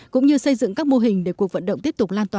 cũng như xây dựng các mô hình để cuộc vận động tiếp tục lan tỏa